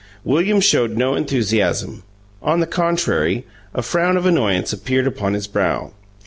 William showed no enthusiasm; on the contrary, a frown of annoyance appeared upon his brow.